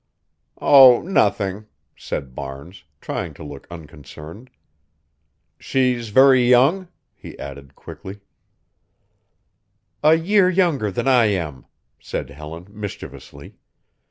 "Oh, nothing," said Barnes, trying to look unconcerned. "She's very young?" he added quickly. "A year younger than I am," said Helen, mischievously.